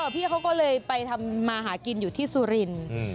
พี่เขาก็เลยไปทำมาหากินอยู่ที่สุรินทร์